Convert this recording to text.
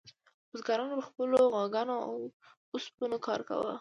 بزګرانو په خپلو غواګانو او اوسپنو کار کاوه.